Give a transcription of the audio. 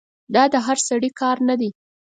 دا د هر سړي کار نه دی.